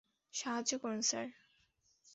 সাহায্য করুন, স্যার।